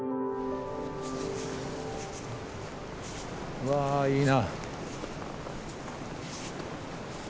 うわいいな。